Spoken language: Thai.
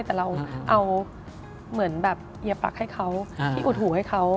แต่เราเอาเหมือนแบบเยียปรักให้เขาที่อุดหูให้เขา